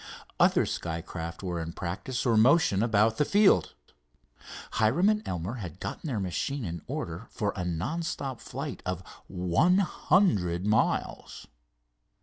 Other skycraft were in practice or motion about the field. Hiram and Elmer had gotten their machine in order for a non stop flight of one hundred miles.